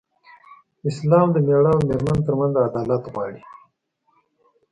اسلام د مېړه او مېرمن تر منځ عدالت غواړي.